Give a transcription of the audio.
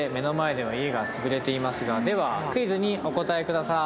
ではクイズにお答えください。